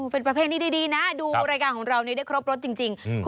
เป็นประเพณีดีนะดูรายการของเรานี้ได้ครบรสจริง